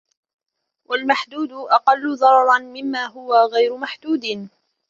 وَالْمَحْدُودُ أَقَلُّ ضَرَرًا مِمَّا هُوَ غَيْرُ مَحْدُودٍ